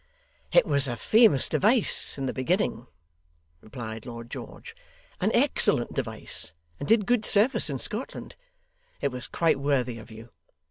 'It was a famous device in the beginning,' replied Lord George; 'an excellent device, and did good service in Scotland. It was quite worthy of you.